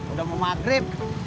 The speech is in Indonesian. udah mau maghrib